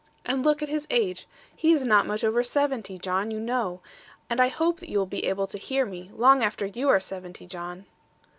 And look at his age! he is not much over seventy, John, you know; and I hope that you will be able to hear me, long after you are seventy, John.'